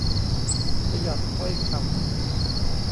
ประหยัดถ้อยคำ